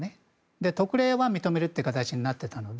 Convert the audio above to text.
特例は認めるという形になっていたので。